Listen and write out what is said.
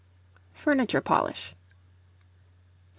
FURNITURE POLISH. 2308.